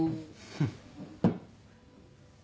フッ。